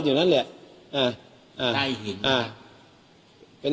ใช่หิน